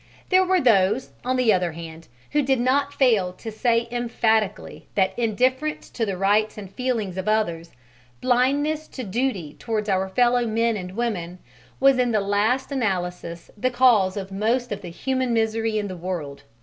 There were those, on the other hand, who did not fail to say emphatically that indifference to the rights and feelings of others, blindness to duty towards our fellow men and women, was in the last analysis the cause of most of the human misery in the world.